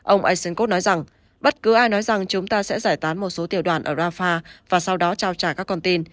ông isnkov nói rằng bất cứ ai nói rằng chúng ta sẽ giải tán một số tiểu đoàn ở rafah và sau đó trao trả các con tin